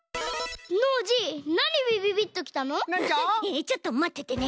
えちょっとまっててね。